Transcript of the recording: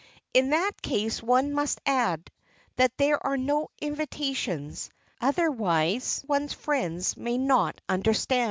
In that case one must add that there are no invitations, otherwise one's friends may not understand.